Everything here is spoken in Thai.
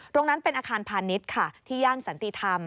ตรงนั้นเป็นอาคารพาณิชย์ค่ะที่ย่านสันติธรรม